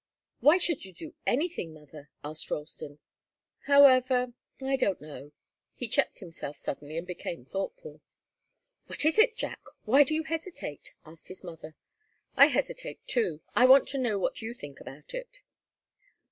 "Why should you do anything, mother?" asked Ralston. "However I don't know " he checked himself suddenly and became thoughtful. "What is it, Jack? Why do you hesitate?" asked his mother. "I hesitate, too. I want to know what you think about it."